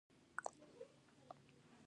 کوڅې باید څنګه پاکې شي؟